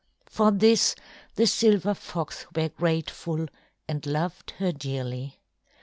For this the silver fox were grateful and loved her dearly.